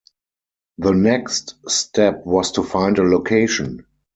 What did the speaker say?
The next step was to find a location.